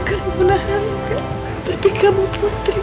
aku bukan melahirkan tapi kamu putri